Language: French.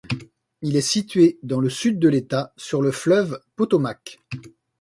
Il est situé dans le sud de l'État, sur le fleuve Potomac.